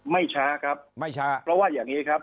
ไม่ช้าครับไม่ช้าเพราะว่าอย่างนี้ครับ